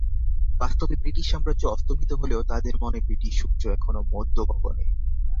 বাস্তবে ব্রিটিশ সাম্রাজ্য অস্তমিত হলেও তাঁদের মনে ব্রিটিশ সূর্য এখনো মধ্যগগনে।